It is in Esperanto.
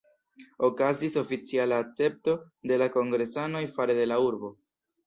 Okazis oficiala akcepto de la kongresanoj fare de la urbo.